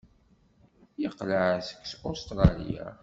Yeqleɛ seg Ustṛalya.